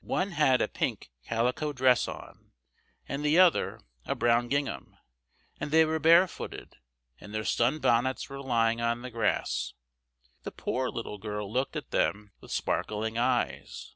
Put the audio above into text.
One had a pink calico dress on, and the other a brown gingham, and they were barefooted, and their sunbonnets were lying on the grass. The poor little girl looked at them with sparkling eyes.